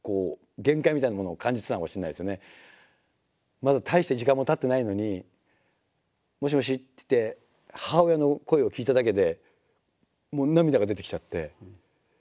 まだ大して時間もたってないのに「もしもし」っつって母親の声を聞いただけでもう涙が出てきちゃって。